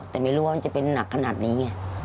แต่ไม่รู้ว่ามันจะเป็นหนักขนาดนี้ไง